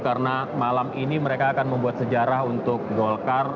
karena malam ini mereka akan membuat sejarah untuk golkar